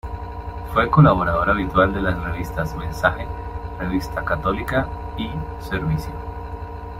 Fue colaborador habitual de las revistas "Mensaje", "Revista Católica" y "Servicio".